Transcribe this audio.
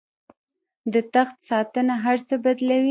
د تخت ساتنه هر څه بدلوي.